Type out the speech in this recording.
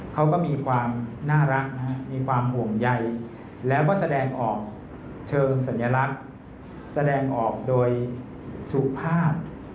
เขาก็มีความน่ารักมีความห่วงใยแล้วก็แสดงออกเชิงสัญลักษณ์แสดงออกโดยสุภาพ